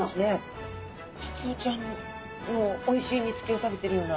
カツオちゃんのおいしい煮つけを食べてるような。